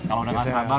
kalau udah gak sabar